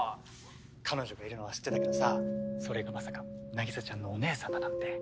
彼女がいるのは知ってたけどさそれがまさか凪沙ちゃんのお姉さんだなんて。